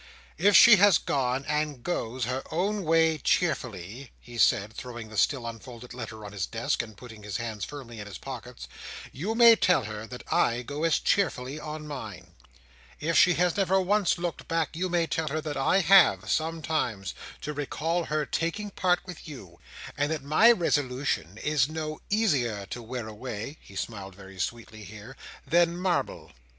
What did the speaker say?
"If she has gone, and goes, her own way cheerfully," he said, throwing the still unfolded letter on his desk, and putting his hands firmly in his pockets, "you may tell her that I go as cheerfully on mine. If she has never once looked back, you may tell her that I have, sometimes, to recall her taking part with you, and that my resolution is no easier to wear away;" he smiled very sweetly here; "than marble."